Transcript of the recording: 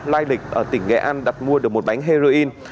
lai lịch ở tỉnh nghệ an đặt mua được một bánh heroin